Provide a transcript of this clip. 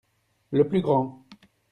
le plus grand.